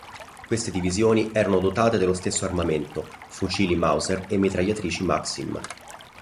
Queste divisioni erano dotate dello stesso armamento: fucili Mauser e mitragliatrici Maxim.